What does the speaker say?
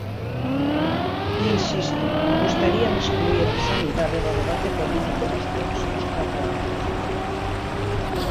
Insisto, gustaríame excluír a sanidade do debate político nos próximos catro anos.